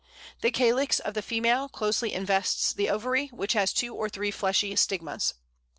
The calyx of the female closely invests the ovary, which has two or three fleshy stigmas.